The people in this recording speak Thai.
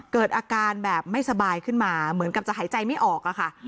เกิดอาการแบบไม่สบายขึ้นมาเหมือนกับจะหายใจไม่ออกอะค่ะ